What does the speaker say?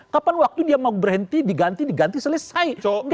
kapan waktu dia mau berhenti diganti diganti selesai